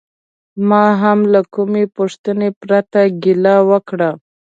ما هم له کومې پوښتنې پرته کیلي ورکړه.